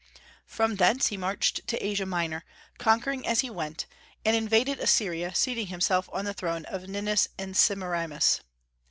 From thence he marched to Asia Minor, conquering as he went, and invaded Assyria, seating himself on the throne of Ninus and Semiramis.